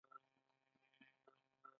عصري تعلیم مهم دی ځکه چې د اوبو مدیریت ښيي.